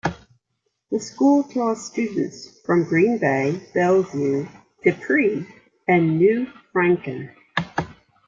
The school draws students from Green Bay, Bellevue, De Pere, and New Franken.